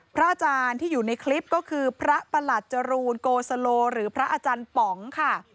พระอาจารย์ที่อยู่ในคลิปก็คือพระประหลัดจรูนโกสโลหรือพระอาจารย์ป๋องค่ะ